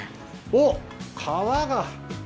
おっ皮が。